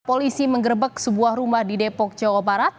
polisi menggerbek sebuah rumah di depok jawa barat